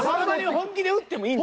本気で打ってもいいの？